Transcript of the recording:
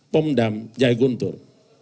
pemdam jaya guntur